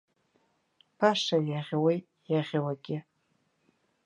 Баша иаӷьуеит иаӷьуагьы.